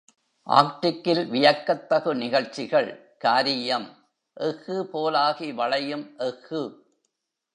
ஆர்க்டிக்கில் வியத்தகு நிகழ்ச்சிகள் காரீயம் எஃகு போலாகி வளையும் எஃகு.